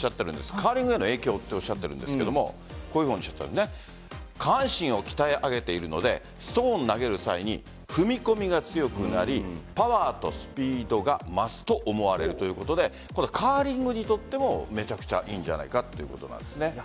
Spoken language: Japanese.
カーリングへの影響と言ってますけど下半身を鍛え上げているのでストーンを投げる際に踏み込みが強くなりパワーとスピードが増すと思われるということでカーリングにとってもめちゃくちゃいいんじゃないかということなんです。